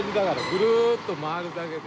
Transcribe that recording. ぐるーっと回るだけで。